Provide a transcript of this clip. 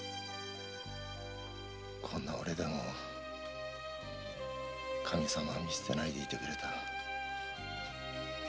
こんな俺でも神さまは見捨てないでいてくれた。